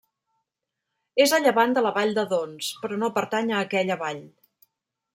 És a llevant de la vall d'Adons, però no pertany a aquella vall.